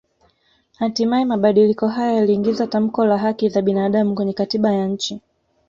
Hatimaye mabadiliko haya yaliingiza tamko la haki za binaadamu kwenye katiba ya nchi